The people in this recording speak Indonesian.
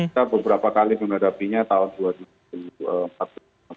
kita beberapa kali menghadapinya tahun dua ribu empat belas lima belas kemudian tahun dua ribu delapan